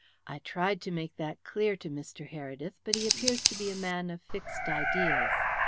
I tried to make that clear to Mr. Heredith, but he appears to be a man of fixed ideas.